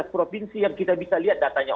lima belas provinsi yang kita bisa lihat data